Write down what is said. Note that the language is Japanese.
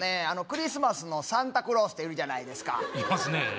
クリスマスのサンタクロースっているじゃないですかいますね